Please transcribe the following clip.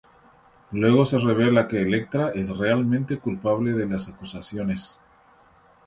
Luego se revela que Elektra es realmente culpable de las acusaciones.